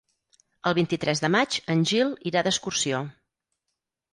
El vint-i-tres de maig en Gil irà d'excursió.